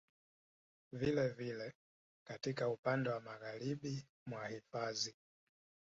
Vile vile katika upande wa magharibi mwa hifadhi